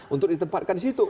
untuk ditempatkan di situ